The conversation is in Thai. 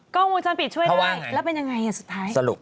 กล้องวงจองปิดช่วยได้แล้วเป็นอย่างไรสุดท้าย